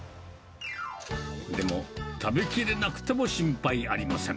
でも、食べきれなくても心配ありません。